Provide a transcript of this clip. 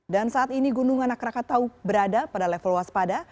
dan saat ini gunung anak krakatau berada pada level waspada